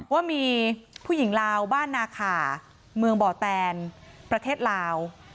ว่ามีผู้หญิงลาวบ้านนาขาเมืองบ่อแตนประเทศลาว